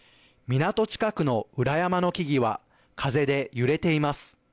港近くの裏山の木々は風で揺れています。